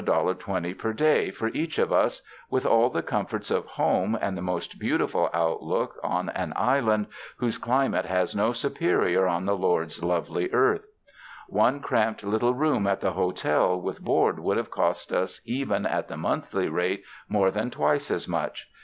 20 per day for each of us, with all the comforts of home and the most beautiful outlook on an island whose cli mate has no superior on the Lord's lovely earth. One cramped little room at the hotel, with board, would have cost us even at the monthly rate more than twice as much.